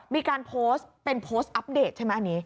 มีการโพสต์เป็นโพสต์อัปเดตใช่ไหมอันนี้